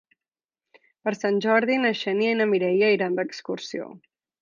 Per Sant Jordi na Xènia i na Mireia iran d'excursió.